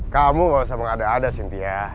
kamu gak usah mengada ada cynthia